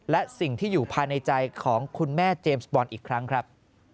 และสิ่งที่อยู่ภายในใจของคุณแม่เจมส์บอลอีกครั้งครับ